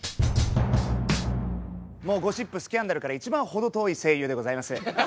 ゴシップスキャンダルから一番程遠い声優でございます。